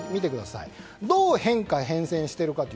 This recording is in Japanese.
どう変化・変遷しているか。